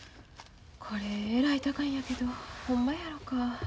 これえらい高いんやけどほんまやろか。